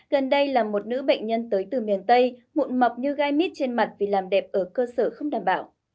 gần đây là một nữ bệnh nhân tới từ miền tây mụn mọc như gai mít trên mặt vì làm đẹp ở cơ sở không đảm bảo